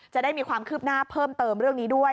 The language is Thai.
จะได้มีความคืบหน้าเพิ่มเติมเรื่องนี้ด้วย